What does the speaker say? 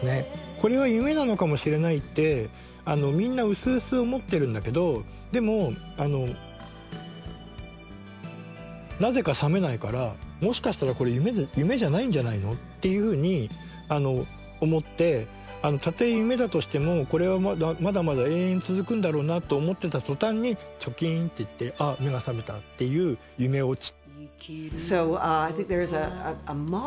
これは夢なのかもしれないってみんなうすうす思ってるんだけどでもなぜか覚めないからもしかしたらこれ夢じゃないんじゃないの？っていうふうに思ってたとえ夢だとしてもこれはまだまだ延々続くんだろうなと思ってた途端にチョキンっていってあ目が覚めたっていう夢オチ。